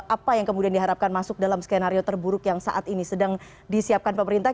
apa yang kemudian diharapkan masuk dalam skenario terburuk yang saat ini sedang disiapkan pemerintah